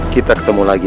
kita ketemu lagi